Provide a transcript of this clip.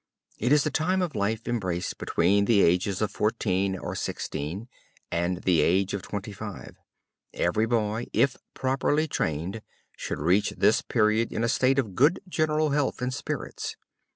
It is the time of life embraced between the ages of fourteen or sixteen and the age of twenty five. Every boy, if properly trained, should reach this period in a state of good general health and spirits.